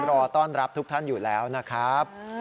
รอต้อนรับทุกท่านอยู่แล้วนะครับ